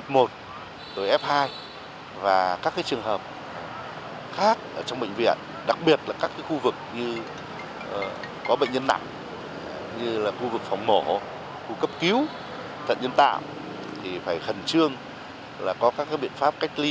phòng mổ khu cấp cứu thận nhân tạm thì phải khẩn trương là có các biện pháp cách ly